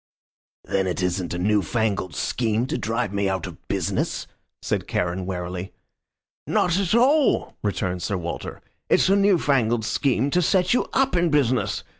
"Then it isn't a new fangled scheme to drive me out of business?" said Charon, warily. "Not at all," returned Sir Walter. "It's a new fangled scheme to set you up in business.